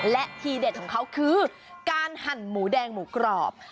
และทีเด็ดของเขาคือการหั่นหมูแดงหมูกรอบ